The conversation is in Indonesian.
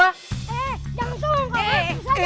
eh jangan colong pak mas